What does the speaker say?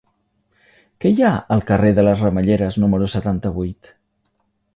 Què hi ha al carrer de les Ramelleres número setanta-vuit?